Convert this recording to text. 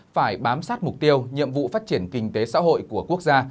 phải bám sát mục tiêu nhiệm vụ phát triển kinh tế xã hội của quốc gia